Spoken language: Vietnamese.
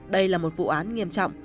đây là một vụ án nghiêm trọng